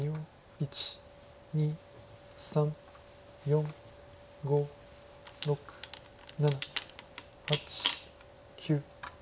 １２３４５６７８９。